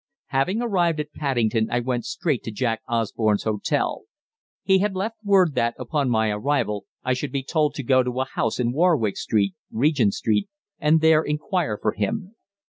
Having arrived at Paddington I went straight to Jack Osborne's hotel. He had left word that, upon my arrival, I should be told to go to a house in Warwick Street, Regent Street, and there inquire for him.